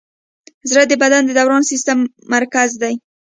زړه د بدن د دوران سیسټم مرکز دی.